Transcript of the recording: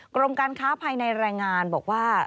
กรมการค้าภายในรายงานบอกว่า